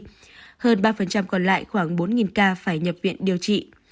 hơn ba còn lại khoảng bốn ca phải nhập viện điều trị